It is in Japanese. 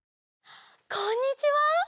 こんにちは。